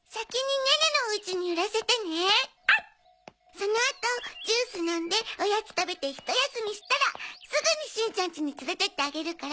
そのあとジュース飲んでおやつ食べてひと休みしたらすぐにしんちゃんちに連れてってあげるから。